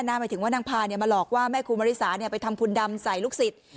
หมายถึงว่านางพามาหลอกว่าแม่ครูมริสาไปทำคุณดำใส่ลูกศิษย์